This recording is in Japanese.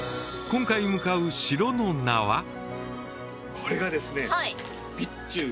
これがですね